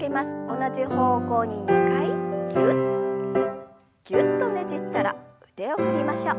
同じ方向に２回ぎゅっぎゅっとねじったら腕を振りましょう。